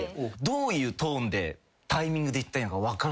どういうトーンでタイミングで言ったらいいのか分からない。